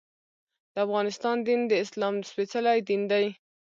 د افغانستان دین د اسلام سپېڅلی دین دی.